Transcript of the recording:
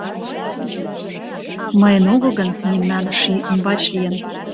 — Мыйын огыл гын, мемнан шӱй ӱмбач лийын...